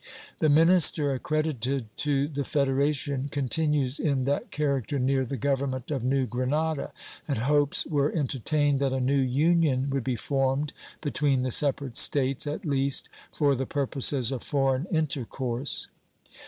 The minister accredited to the federation continues in that character near the Government of New Grenada, and hopes were entertained that a new union would be formed between the separate States, at least for the purposes of foreign intercourse.